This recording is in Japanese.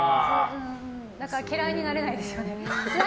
だから嫌いになれないですよね。